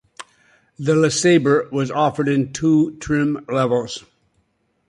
The LeSabre was offered in two trim levels.